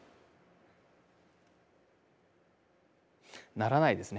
鳴らないですね。